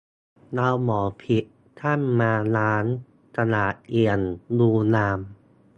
เราบ่ผิดท่านมาล้าง สะอาดเอี่ยม ดูงาม